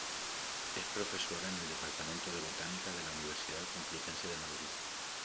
Es profesora en el departamento de Botánica, de la Universidad Complutense de Madrid.